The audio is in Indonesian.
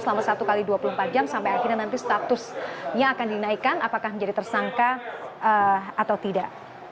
selama satu x dua puluh empat jam sampai akhirnya nanti statusnya akan dinaikkan apakah menjadi tersangka atau tidak